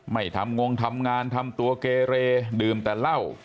ไม่ทำงงทำงานทำตัวเกเรดื่มแต่เหล้า